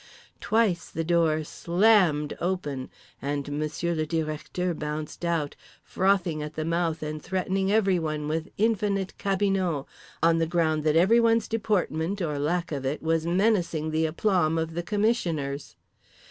Twice the door SLAMMED open, and Monsieur le Directeur bounced out, frothing at the mouth and threatening everyone with infinite cabinot, on the ground that everyone's deportment or lack of it was menacing the aplomb of the commissioners.